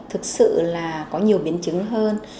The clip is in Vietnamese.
thực sự là có nhiều biến chứng hơn